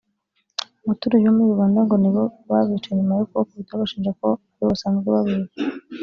Abaturage bo muri Uganda ngo ni bo babishe nyuma yo kubakubita babashinja ko ari bo basanzwe babiba